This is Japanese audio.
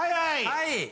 はい。